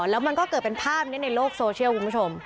แล้วมันก็เกิดเป็นภาพนี้ในโลกโซเชียลคุณผู้ชม